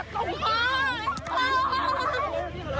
มันเกิดเหตุเป็นเหตุที่บ้านกลัว